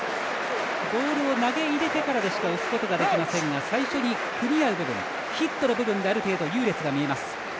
ボールを投げ入れてからでしか押すことはできませんが最初に組み合う部分ヒットの部分である程度優劣が見えます。